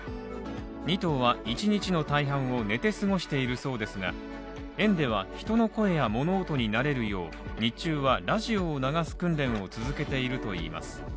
２頭は１日の大半を寝て過ごしているそうですが園では人の声や物音に慣れるよう、日中はラジオを流す訓練を続けているといいます。